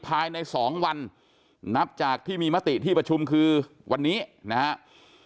ภายใน๒วันนับจากที่มีมติที่ประชุมคือวันนี้นะครับ